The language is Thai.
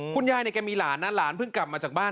คุณย่ายมีหลานเหมือนกับมาจากบ้าน